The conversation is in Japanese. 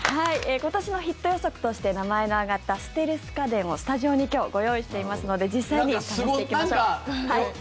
今年のヒット予測として名前が挙がったステルス家電をスタジオに今日ご用意していますので実際に試していきましょう。